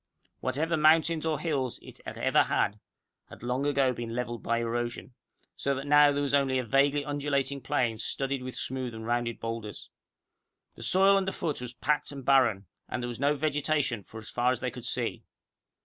Whatever mountains or hills it had ever had, had long ago been leveled by erosion, so that now there was only a vaguely undulating plain studded with smooth and rounded boulders. The soil underfoot was packed and barren, and there was no vegetation for as far as they could see.